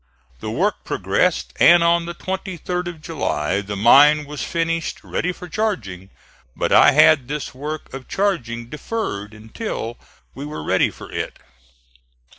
The work progressed, and on the 23d of July the mine was finished ready for charging; but I had this work of charging deferred until we were ready for it.